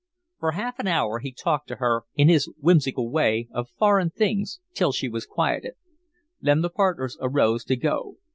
For half an hour he talked to her, in his whimsical way, of foreign things, till she was quieted. Then the partners arose to go.